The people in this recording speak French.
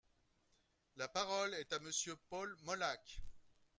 La parole est à Monsieur Paul Molac.